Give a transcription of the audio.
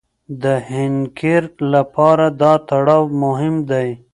د حنکير لپاره دا تړاو مهم دی.